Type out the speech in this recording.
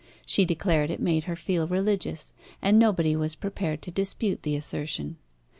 She declared it made her feel religious, and nobody was prepared to dispute the assertion.